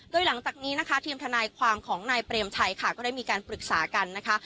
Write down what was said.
โดยหลังจากนี้นะคะทีมทนายความของนายเปรมชัยค่ะก็ได้มีการปรึกษากันนะคะ